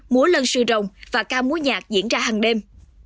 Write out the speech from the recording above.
múa lân sư rồng và ca múa nhạc diễn ra hàng đêm